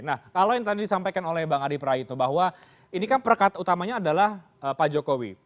nah kalau yang tadi disampaikan oleh bang adi praitno bahwa ini kan perkat utamanya adalah pak jokowi